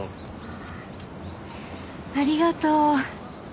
ああありがとう。